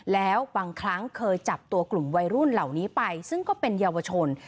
แล้วบางครั้งเคยจับตัวกลุ่มวัยรุ่นเหล่านี้ไปซึ่งก็เป็นเยาวชน